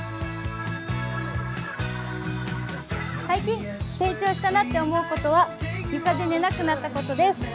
最近、成長したなと思うことは床で寝なくなったことです。